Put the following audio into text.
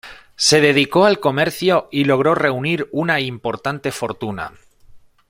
Se dedicó al comercio y logró reunir una importante fortuna.